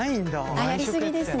やり過ぎですね。